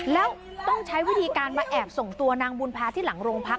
แล้วต้องใช้วิธีการมาแอบส่งตัวนางบุญพาที่หลังโรงพัก